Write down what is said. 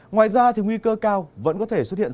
ngoài ra thì nguy cơ cao vẫn có thể xuất hiện